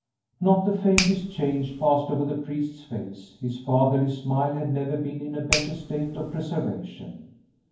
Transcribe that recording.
Not the faintest change passed over the priest's face; his fatherly smile had never been in a better state of preservation.